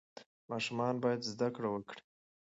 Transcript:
ماشومان باید زده کړه وکړي.